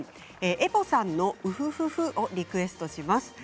ＥＰＯさんの「う、ふ、ふ、ふ、」をクエストします。